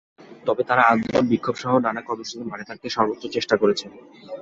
তবে তারা আন্দোলন, বিক্ষোভসহ নানা কর্মসূচিতে মাঠে থাকতে সর্বোচ্চ চেষ্টা করেছেন।